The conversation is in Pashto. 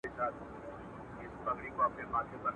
زامنو پر خپل پلار باندي سخت ظلم وکړ.